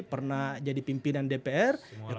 pernah jadi pimpinan dpr